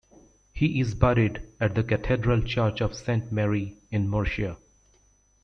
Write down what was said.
He is buried at the Cathedral Church of Saint Mary in Murcia.